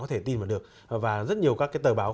có thể tin vào được và rất nhiều các cái tờ báo